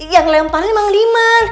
yang lempar ini mang liman